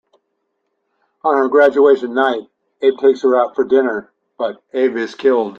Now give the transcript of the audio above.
On her graduation night Abe takes her out for dinner, but Abe is killed.